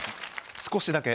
少しだけ。